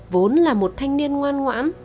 vốn là một thanh niên ngoan ngoãn